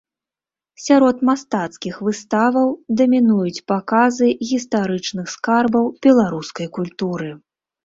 Сярод мастацкіх выставаў дамінуюць паказы гістарычных скарбаў беларускай культуры.